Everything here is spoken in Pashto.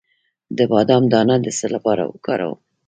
د بادام دانه د څه لپاره وکاروم؟